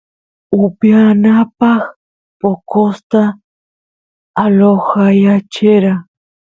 upiyanapaq poqosta alojayachera